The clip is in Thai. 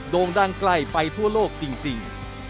โด่งดังใกล้ไปทั่วโลกจริงจริง